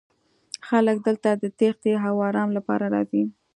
خلک دلته د تیښتې او ارام لپاره راځي